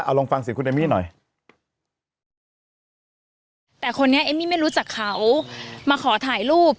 เอาลองฟังเสียงคุณหน่อยแต่คนนี้ไม่รู้จักเขามาขอถ่ายรูป